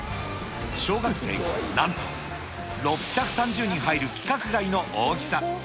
小学生なんと６３０人入る規格外の大きさ。